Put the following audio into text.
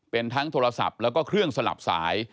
เป็นทั้งโทรศัพท์แล้วก็เครื่องสลับสาย